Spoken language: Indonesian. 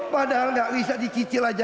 padahal tidak bisa dicicil saja